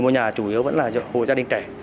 nhà chủ yếu vẫn là hộ gia đình trẻ